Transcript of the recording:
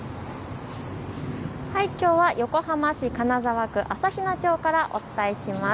きょうは横浜市金沢区朝比奈町からお伝えします。